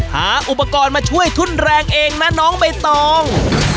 หาอุปกรณ์มาช่วยทุ่นแรงเองนะน้องใบตอง